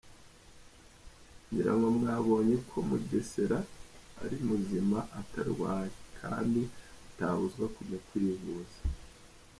Ngira ngo mwabonye ko Mugesera ari muzima atarwaye, kandi atabuzwa kujya kwivuza.